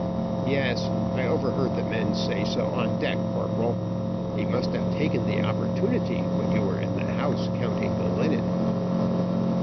"Yes, I overheard the men say so on deck, corporal. He must have taken the opportunity when you were in the house counting the linen."